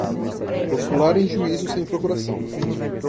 postular em juízo sem procuração